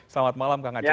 selamat malam kang aceh